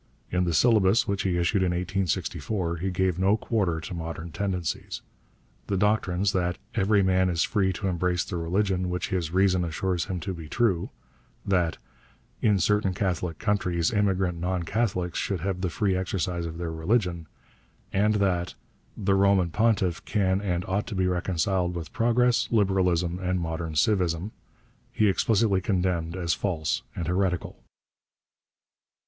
In the Syllabus which he issued in 1864 he gave no quarter to modern tendencies. The doctrines that 'every man is free to embrace the religion which his reason assures him to be true,' that 'in certain Catholic countries immigrant non Catholics should have the free exercise of their religion,' and that 'the Roman Pontiff can and ought to be reconciled with progress, liberalism, and modern civism,' he explicitly condemned as false and heretical.